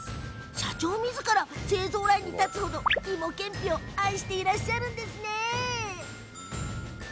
社長みずから製造ラインに立つ程いもけんぴを愛していらっしゃるんです。